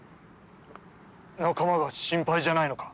仲間が心配じゃないのか？